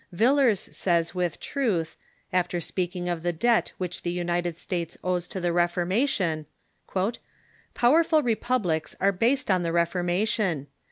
Villers says with truth, after speaking of the debt which the United States owes to the Reformation :" Powerful republics are based on the Reformation.